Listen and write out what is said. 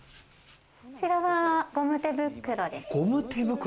こちらはゴム手袋です。